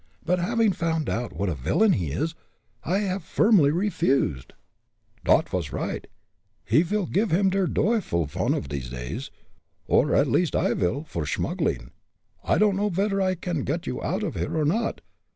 But, having found out what a villain he is, I have firmly refused." "Dot vas right! Ve will giff him der duyfel von off dese days or, at least, I vil, for smuggling. I don'd know vedder I can got you oud off here or not!